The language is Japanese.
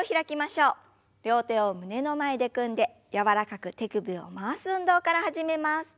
両手を胸の前で組んで柔らかく手首を回す運動から始めます。